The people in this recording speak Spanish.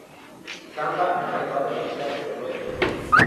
Samba ha salvado la vida, pero no el honor.